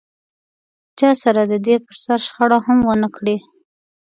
چا سره دده پر سر شخړه هم و نه کړي.